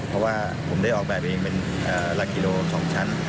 เพราะว่าผมได้ออกแบบเองเป็นหลักกิโล๒ชั้น